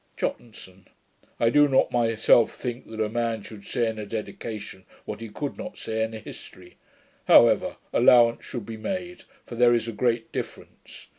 JOHNSON. 'I do not myself think that a man should say in a dedication what he could not say in a history. However, allowance should be made; for there is a great difference.